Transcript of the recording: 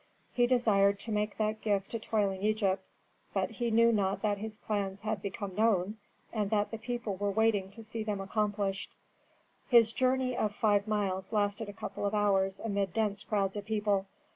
He desired to make that gift to toiling Egypt, but he knew not that his plans had become known, and that the people were waiting to see them accomplished. His journey of five miles lasted a couple of hours amid dense crowds of people.